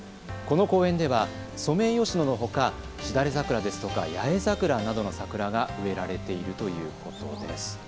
この公園ではソメイヨシノのほかしだれ桜ですとか八重桜などの桜が植えられているということです。